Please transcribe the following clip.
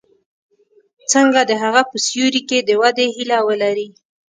څنګه د هغه په سیوري کې د ودې هیله ولري.